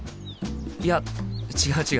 いや違う違う。